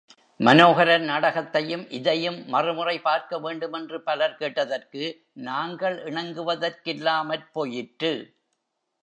மனோஹரன் நாடகத்தையும் இதையும் மறுமுறை பார்க்க வேண்டுமென்று பலர் கேட்டதற்கு நாங்கள் இணங்குவதற்கில்லாமற் போயிற்று.